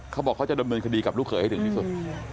เขาบอกเขาจะดำเนินคดีกับลูกเขยให้ถึงที่สุด